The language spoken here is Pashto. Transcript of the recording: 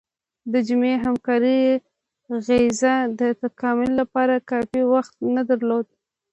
د جمعي همکارۍ غریزه د تکامل لپاره کافي وخت نه درلود.